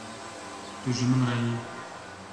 Tu ji min re yî.